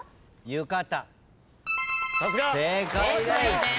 正解です。